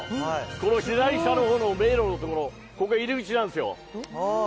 この左下のほうの迷路の所、ここが入り口なんですよ。